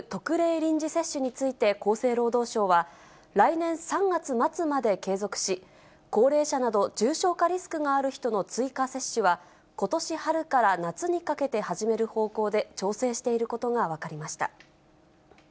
臨時接種について厚生労働省は、来年３月末まで継続し、高齢者など重症化リスクのある人の追加接種は、ことし春から夏にかけて始める方向で調整していることが分かりました。